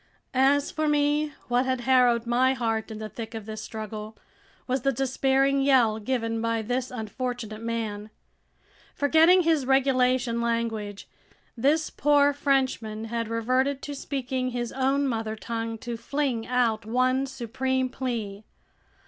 As for me, what had harrowed my heart in the thick of this struggle was the despairing yell given by this unfortunate man. Forgetting his regulation language, this poor Frenchman had reverted to speaking his own mother tongue to fling out one supreme plea!